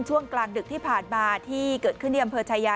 ช่วงกลางดึกที่ผ่านมาที่เกิดขึ้นที่อำเภอชายา